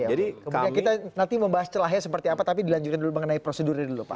kemudian kita nanti membahas celahnya seperti apa tapi dilanjutkan dulu mengenai prosedurnya dulu pak